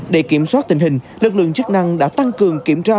để kiểm soát tình hình lực lượng chức năng đã tăng cường kiểm tra